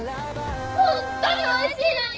ホンットにおいしいのに！